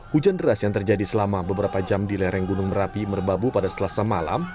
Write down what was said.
hujan deras yang terjadi selama beberapa jam di lereng gunung merapi merbabu pada selasa malam